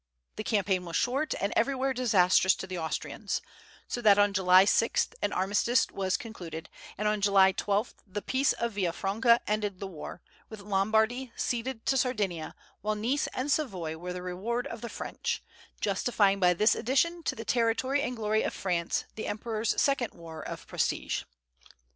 The campaign was short, and everywhere disastrous to the Austrians; so that on July 6 an armistice was concluded, and on July 12 the peace of Villa Franca ended the war, with Lombardy ceded to Sardinia, while Nice and Savoy were the reward of the French, justifying by this addition to the territory and glory of France the emperor's second war of prestige.